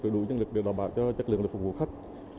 đủ nhân lực để đảm bảo cho chất lượng phục vụ khách